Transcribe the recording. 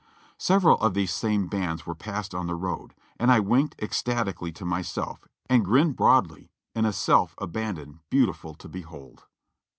Several of these same bands were passed on the road, and I winked ecstatically to myself and grinned broadly in a self abandon beautiful to behold.